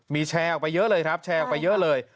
มีแชร์ออกไปเยอะเลยครับแชร์ออกไปเยอะเลย